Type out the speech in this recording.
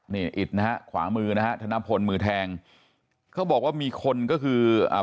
นี่อิดนะฮะขวามือนะฮะธนพลมือแทงเขาบอกว่ามีคนก็คืออ่า